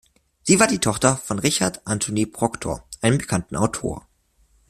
Sie war die Tochter von Richard Anthony Proctor, einem bekannten Autor.